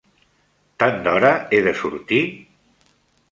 Tan d'hora he de sortir?